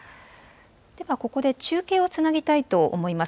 ではここで中継をつなぎたいと思います。